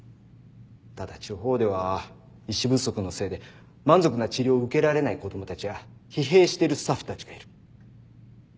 ただ地方では医師不足のせいで満足な治療を受けられない子供たちや疲弊してるスタッフたちがいる。